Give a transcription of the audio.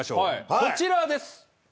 こちらです。